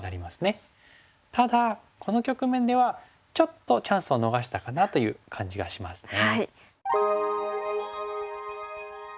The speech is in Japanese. ただこの局面ではちょっとチャンスを逃したかなという感じがしますね。